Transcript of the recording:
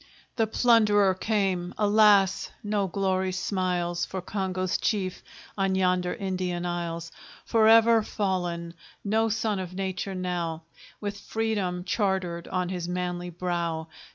The plunderer came; alas! no glory smiles For Congo's chief, on yonder Indian isles; Forever fallen! no son of nature now, With Freedom chartered on his manly brow.